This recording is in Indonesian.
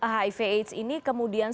hiv aids ini kemudian